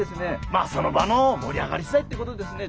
まあその場の盛り上がり次第ってことですね。